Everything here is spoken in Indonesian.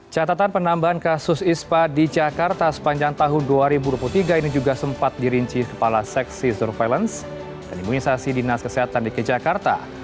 catatan penambahan kasus ispa di jakarta sepanjang tahun dua ribu dua puluh tiga ini juga sempat dirinci kepala seksi surveillance dan imunisasi dinas kesehatan dki jakarta